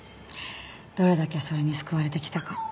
どれだけそれに救われてきたか。